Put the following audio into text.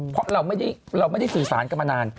เพราะเราไม่ได้สื่อสารกันมานาน